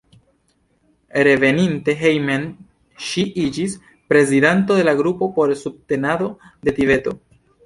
Reveninte hejmen ŝi iĝis prezidanto de la Grupo por Subtenado de Tibeto.